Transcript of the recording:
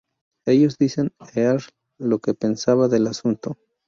Ellos dicen a Earl lo que pensaban del asunto.